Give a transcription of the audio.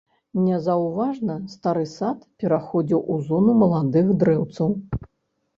Незаўважна стары сад пераходзіў у зону маладых дрэўцаў.